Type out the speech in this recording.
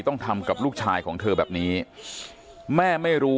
ต้องทำกับลูกชายของเธอแบบนี้แม่ไม่รู้